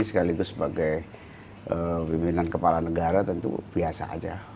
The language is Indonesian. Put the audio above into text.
sekaligus sebagai pimpinan kepala negara tentu biasa aja